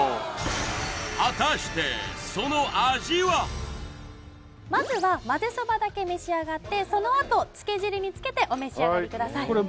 今回まずはまぜそばだけ召し上がってそのあとつけ汁につけてお召し上がりください